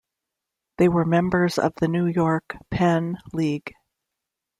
They were members of the New York-Penn League.